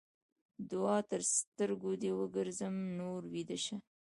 دوعا؛ تر سترګو دې وګرځم؛ نور ويده شه.